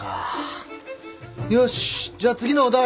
よしじゃあ次のお題。